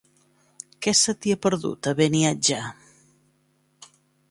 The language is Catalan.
Què se t'hi ha perdut, a Beniatjar?